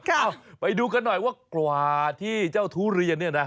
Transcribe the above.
เอ้าไปดูกันหน่อยว่ากลวาที่เจ้าทุเรียน